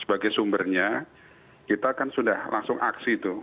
sebagai sumbernya kita kan sudah langsung aksi itu